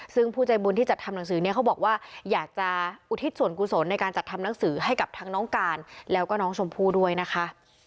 ซึ่งผู้ใจบุญที่จัดทำหนังสือเนี่ยเขาบอกว่าอยากจะอุทิศส่วนกุศลในการจัดทำหนังสือให้กับทั้งน้องการแล้วก็น้องชมพู่ด้วยนะคะ